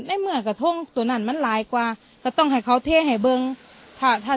ได้เมื่อกับท่องตัวนั้นมันร้ายกว่าก็ต้องให้เขาเทให้เบิ้งถ้าถ้า